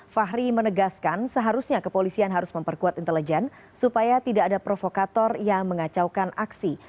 fahri menegaskan seharusnya kepolisian harus memperkuat intelijen supaya tidak ada provokator yang mengacaukan aksi